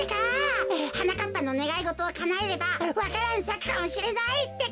はなかっぱのねがいごとをかなえればわか蘭さくかもしれないってか。